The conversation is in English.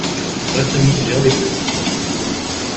Let Them Eat Jellybeans!